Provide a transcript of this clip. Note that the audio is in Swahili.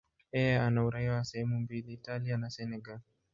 Yeye ana uraia wa sehemu mbili, Italia na Senegal.